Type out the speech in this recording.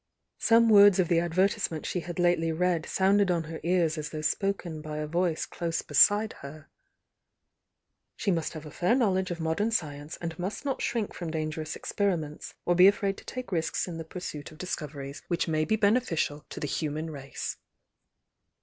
Some words of the advertisement die had lately read sounded on her ears as though spok en by a voice close beside her: "She must have a fair knowledge of modem sci ence and must not dirink from dangerous experi ments, or be afraid to take risks in the pursuit of THE YOUNG DIANA 48 diicoveries which may be beneficial to the human race."